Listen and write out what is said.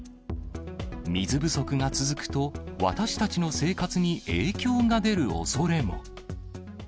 水不足が続くと、私たちの生活に影響が出るおそれも。